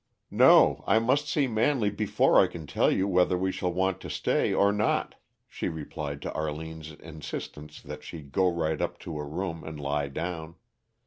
"No, I must see Manley before I can tell you whether we shall want to stay or not," she replied to Arline's insistence that she "go right up to a room" and lie down.